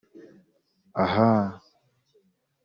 Ahaaa